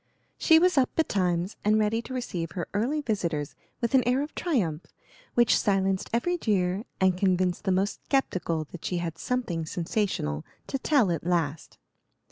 She was up betimes and ready to receive her early visitors with an air of triumph, which silenced every jeer and convinced the most skeptical that she had something sensational to tell at last.